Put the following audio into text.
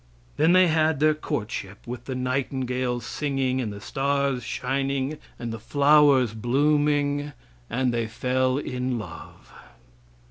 Then they had their courtship, with the nightingales singing and the stars shining and the flowers blooming, and they fell in love.